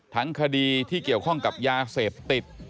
ทั้งคดีที่เกี่ยวข้องกับยาเสพติด